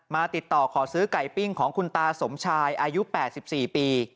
ติดต่อขอซื้อไก่ปิ้งของคุณตาสมชายอายุ๘๔ปี